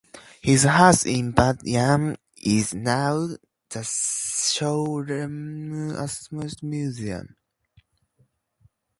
His house in Bat Yam is now the Sholem Asch Museum.